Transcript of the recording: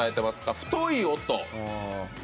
「太い音」。